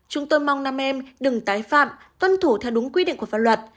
chúng tôi mong năm em đừng tái phạm tuân thủ theo đúng quy định của pháp luật